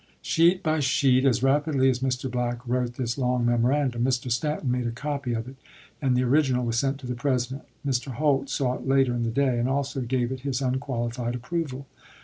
Sheet by sheet, as rapidly as Mr. Black wrote this long memorandum, Mr. Stanton made a copy of it, and the original was sent to the President. Mr. Holt saw it later in the day, and also gave it ibid. his unqualified approval.